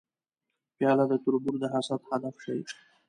پیاله د تربور د حسد هدف شي.